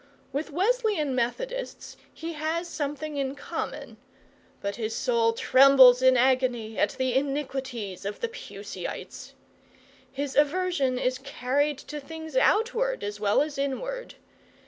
With Wesleyan Methodists he has something in common, but his soul trembles in agony at the iniquities of the Puseyites. His aversion is carried to things outward as well as inward.